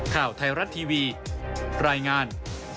ข่าวไทยรัฐทีวีรายงาน